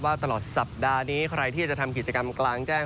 ว่าตลอดสัปดานี้ใครที่จะทำการกลางแจ้ง